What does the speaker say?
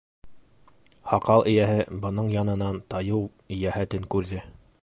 Һаҡал эйәһе бының янынан тайыу йәһәтен күрҙе.